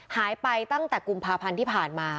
หายไปตั้งแต่กุมภาพันธ์ที่ผ่านมา